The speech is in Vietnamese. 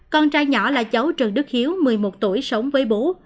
con trai nhỏ là cháu trần đức hiếu một mươi một tuổi sống với bố